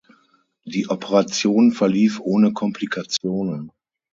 Die Operation verlief ohne Komplikationen.